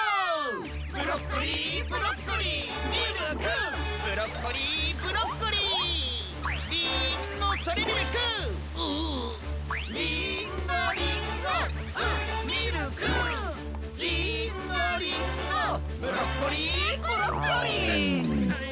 ブロッコリーブロッコリーミルクブロッコリーブロッコリーリーンゴそれミルクうっリーンゴリンゴうっミルクリーンゴリンゴブロッコリーブロッコリーゴロゴロ。